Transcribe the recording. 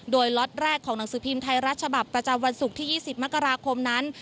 โดยล็อตแรกของหนังสือพิมพ์ไทยรัฐฉบับประจำวันศุกร์ที่๒๐มกราคมนั้น